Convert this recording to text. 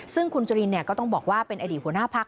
ซึ่งคุณจุรินก็ต้องบอกว่าเป็นอดีตหัวหน้าพัก